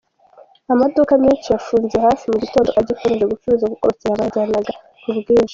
Amaduka menshi yafunze hafi mu gitondo agikomeje gucuruza kuko abakiriya bayaganaga ku bwinshi.